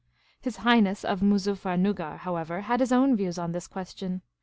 His Highness of Moozuffernuggar, however, had his own views on this question.